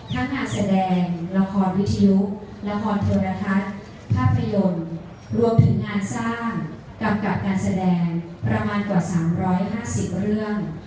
ทั้งงานแสดงละครวิทยุละครโทรทัศน์ภาพยนตร์รวมถึงงานสร้างกำกับการแสดงประมาณกว่า๓๕๐เรื่อง